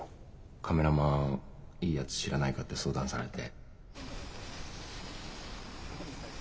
カメラマンいいやつ知らないかって相談されて。